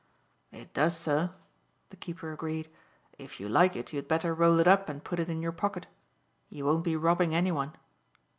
"It does, sir," the keeper agreed. "If you like it, you had better roll it up and put it in your pocket. You won't be robbing anyone."